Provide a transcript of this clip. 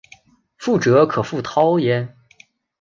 覆辙可复蹈耶？